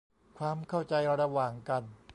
ความเข้าใจระหว่างกัน